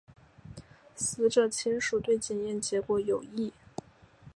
死者亲属对检验结果有异。